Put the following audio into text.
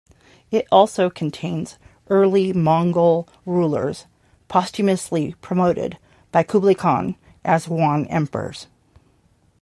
It also contains early Mongol rulers posthumously promoted by Kublai Khan as Yuan emperors.